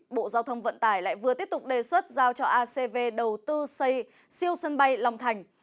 bộ giao thông vận tải lại vừa tiếp tục đề xuất giao cho acv đầu tư xây siêu sân bay long thành